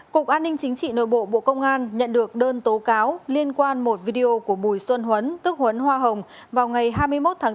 cục an ninh chính trị nội bộ bộ công an nhận được đơn tố cáo liên quan một video của bùi xuân huấn tức huấn hoa hồng vào ngày hai mươi một tháng bốn